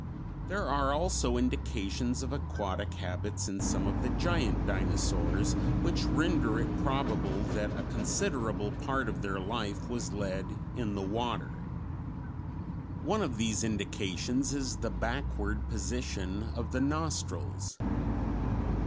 There are also indications of aquatic habits in some of the giant dinosaurs which render it probable that a considerable part of their life was led in the water. One of these indications is the backward position of the nostrils.